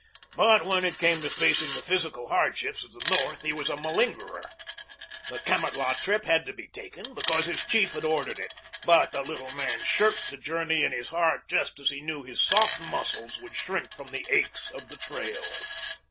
But when it came to facing the physical hardships of the North he was a malingerer. The Kamatlah trip had to be taken because his chief had ordered it, but the little man shirked the journey in his heart just as he knew his soft muscles would shrink from the aches of the trail.